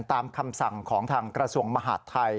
ตามคำสั่งของทางกระทรวงมหาดไทย